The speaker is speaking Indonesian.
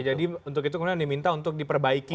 oke jadi untuk itu keren diminta untuk diperbaiki